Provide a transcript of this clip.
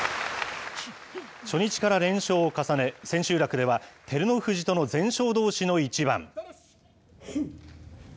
初日から連勝を重ね、千秋楽では、照ノ富士との全勝どうしの一番。